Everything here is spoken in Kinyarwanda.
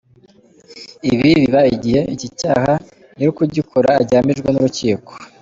Ibi biba igiye iki cyaha nyir’ukugikora agihamijwe n’urukiko.